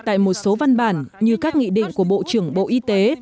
tại một số văn bản như các nghị định của bộ trưởng bộ y tế